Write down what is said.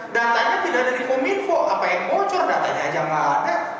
datanya tidak ada di kominfo apa yang bocor datanya aja nggak ada